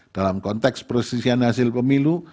dalam konteks perselisihan hasil pemilu